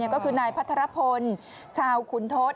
ก็คือนายพัทรพลชาวขุนทศ